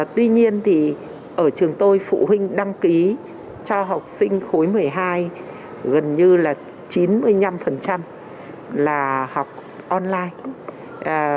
tuy nhiên thì ở trường tôi phụ huynh đăng ký cho học sinh khối một mươi hai gần như là chín mươi năm là học online